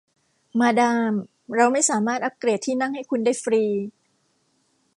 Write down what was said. มาดามเราไม่สามารถอัพเกรดที่นั่งให้คุณได้ฟรี